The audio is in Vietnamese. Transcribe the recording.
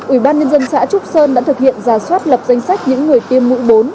ủy ban nhân dân xã trúc sơn đã thực hiện giả soát lập danh sách những người tiêm mũi bốn